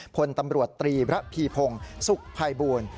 คนตำรวจตรีพระภีโพงศุกร์ภายบูรณ์